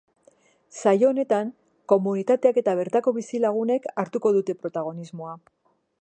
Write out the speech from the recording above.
Saio honetan, komunitateak eta bertako bizilagunek hartuko dute protagonismoa.